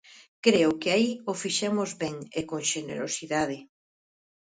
Creo que aí o fixemos ben e con xenerosidade.